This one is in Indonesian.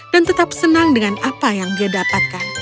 tetap senang dengan apa yang dia dapatkan